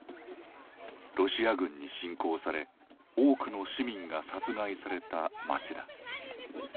ロシア軍に侵攻され多くの市民が殺害された街だ。